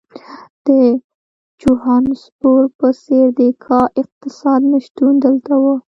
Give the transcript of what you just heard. د جوهانسبورګ په څېر د کا اقتصاد نه شتون دلته وو.